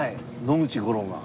野口五郎が。